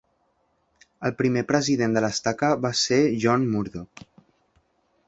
El primer president de l'estaca va ser John Murdock.